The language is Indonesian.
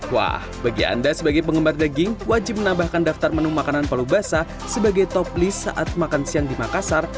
wah bagi anda sebagai penggemar daging wajib menambahkan daftar menu makanan palu basah sebagai top list saat makan siang di makassar